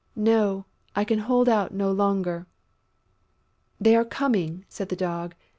"No, I can hold out no longer!" "They are coming!" said the Dog.